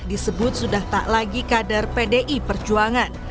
disebut sudah tak lagi kader pdi perjuangan